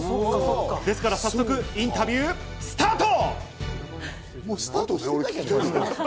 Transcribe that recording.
ですから、早速インタビュースタート！